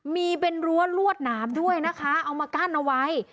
มีเป็นรั้วลวดหนามด้วยนะคะเอามากั้นเอาไว้